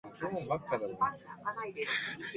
He reported on the Red Army parade from Moscow.